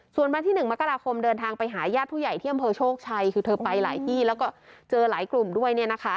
ส่วนวันที่๑มกราคมเดินทางไปหาญาติผู้ใหญ่ที่อำเภอโชคชัยคือเธอไปหลายที่แล้วก็เจอหลายกลุ่มด้วย